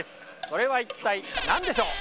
それは一体何かという。